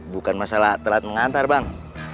bukan masalah telat mengantar bang